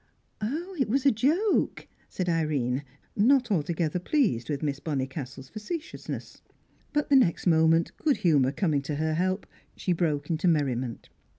"Ah, it was a joke?" said Irene, not altogether pleased with Miss Bonnicastle's facetiousness. But the next moment, good humour coming to her help, she broke into merriment.